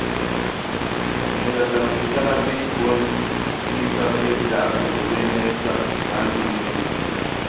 “Umuyaga mwiza,” na “Billy Bones ubwiza bwe,” byakozwe neza kandi neza